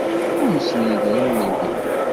Umsen yidrimen-nni.